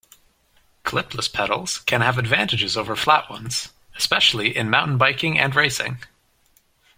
Clipless pedals can have advantages over flat ones, especially in mountain biking and racing.